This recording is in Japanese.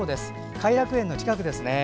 偕楽園の近くですね。